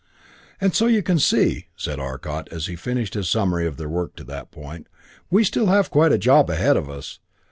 "And so you can see," said Arcot as he finished his summary of their work to that point, "we still have quite a job ahead of us.